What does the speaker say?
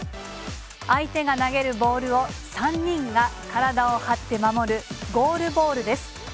相手が投げるボールを３人が体を張って守る、ゴールボールです。